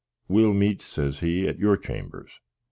"We'll meet," says he, "at your chambers.